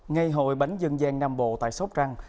ngày hội bánh dân giang nam bộ tại sóc răng